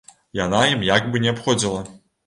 Яна ім як бы не абходзіла.